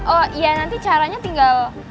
oh iya nanti caranya tinggal